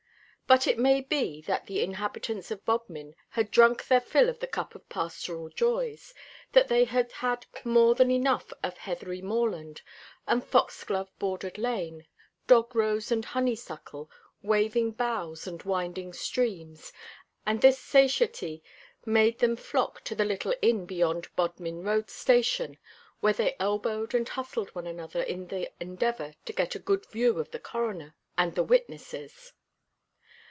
But it may be that the inhabitants of Bodmin had drunk their fill of the cup of pastoral joys, that they had had more than enough of heathery moorland and foxglove bordered lane, dog rose and honeysuckle, waving boughs and winding streams, and that this satiety made them flock to the little inn beyond Bodmin Road station, where they elbowed and hustled one another in the endeavour to get a good view of the Coroner and the witnesses.